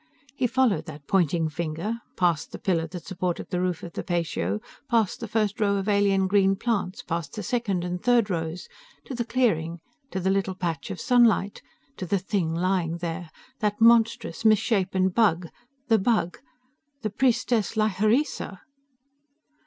He followed that pointing finger, past the pillar that supported the roof of the patio, past the first row of alien green plants, past the second and third rows, to the clearing, to the little patch of sunlight, to the thing lying there. That monstrous, misshapen Bug.... The Bug.... The Priestess Lhyreesa!